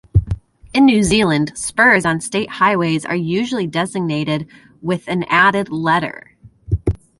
In New Zealand, spurs on state highways are usually designated with an added letter.